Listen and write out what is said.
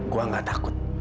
gue gak takut